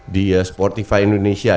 di sportify indonesia